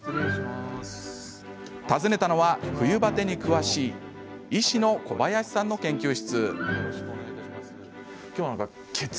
訪ねたのは、冬バテに詳しい医師の小林さんの研究室。